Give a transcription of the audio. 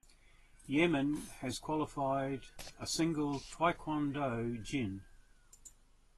Yemen has qualified a single taekwondo jin.